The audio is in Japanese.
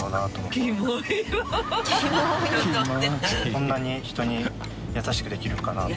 そんなに人に優しくできるのかなって。